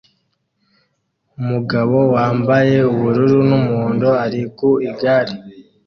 Umugabo wambaye ubururu n'umuhondo ari ku igare